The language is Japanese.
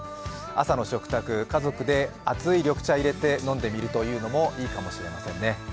朝の食卓、家族で熱い緑茶入れて飲んでみるというのもいいかもしれませんね。